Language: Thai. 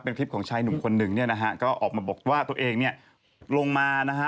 เป็นคลิปของชายหนุ่มคนหนึ่งเนี่ยนะฮะก็ออกมาบอกว่าตัวเองเนี่ยลงมานะฮะ